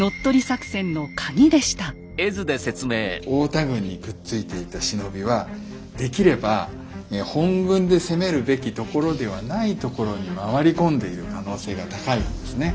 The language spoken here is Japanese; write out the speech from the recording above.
太田軍にくっついていた忍びはできれば本軍で攻めるべきところではないところに回り込んでいる可能性が高いわけですね。